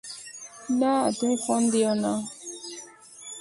না, তুমি ফোন দিয়োনা।